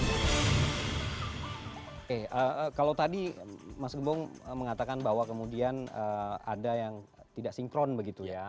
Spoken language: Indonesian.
oke kalau tadi mas gembong mengatakan bahwa kemudian ada yang tidak sinkron begitu ya